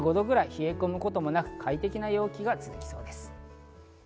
冷え込むこともなく快適な陽気が続きそうです。